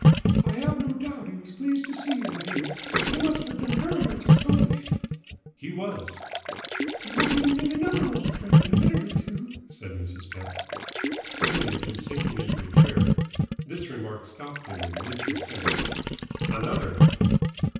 "I have no doubt he was pleased to see you again. He must have been very much astonished." "He was!" "You will be meeting another old friend in a minute or two," said Mrs. Pett. Jimmy had been sinking into a chair. This remark stopped him in mid descent. "Another!"